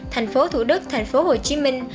thành phố thủ đức thành phố hồ chí minh